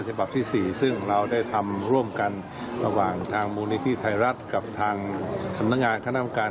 ฉบับที่๔ซึ่งเราได้ทำร่วมกันระหว่างทางมูลนิธิไทยรัฐกับทางสำนักงานคณะกรรมการ